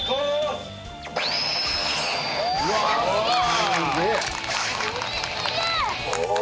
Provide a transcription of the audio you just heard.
鬼すげえ！